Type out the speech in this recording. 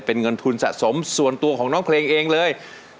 เป็นเงินทุนสะสมส่วนตัวของน้องเพลงเองเลย